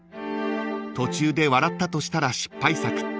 ［途中で笑ったとしたら失敗作］